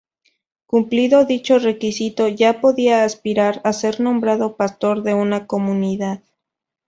Cumplido dicho requisito ya podía aspirar a ser nombrado pastor de una comunidad.